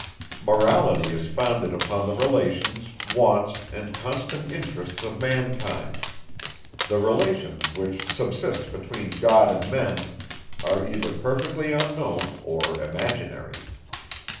Morality is founded upon the relations, wants, and constant interests of mankind; the relations, which subsist between God and Men, are either perfectly unknown, or imaginary.